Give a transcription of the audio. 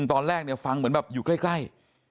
ตอนแรกเนี่ยฟังเหมือนแบบอยู่ใกล้